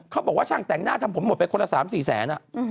เขาบอกว่าช่างแต่งหน้าทำผมหมดไปคนละ๓๔แสน